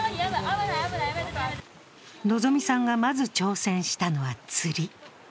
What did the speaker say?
希さんがまず挑戦したのは釣り。